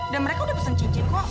dan mereka udah pesen cincin kok